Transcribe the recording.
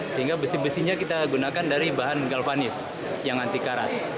sehingga besi besinya kita gunakan dari bahan galvanis yang anti karat